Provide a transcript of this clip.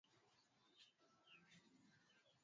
Chanjo kwa wanyama wachanga inaweza kusaidia